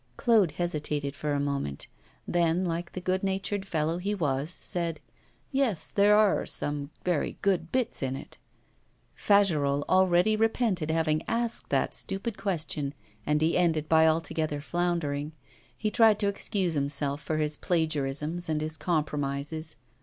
Claude hesitated for a moment; then, like the good natured fellow he was, said: 'Yes; there are some very good bits in it.' Fagerolles already repented having asked that stupid question, and he ended by altogether floundering; he tried to excuse himself for his plagiarisms and his compromises.